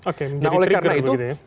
oke jadi trigger begitu ya